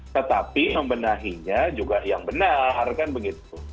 tetapi membenahinya juga yang benar kan begitu